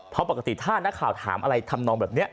เพราะปกติถ้านักข่าวถามอะไรทำนองแบบนี้